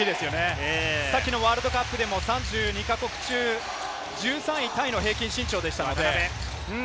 先のワールドカップでも３２か国中、１３位タイの平均身長です。